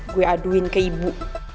gue aduin ke ibu